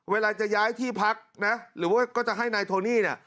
เวลาจะย้ายที่พักนะหรือว่าก็จะให้นายโทนี่เนี่ย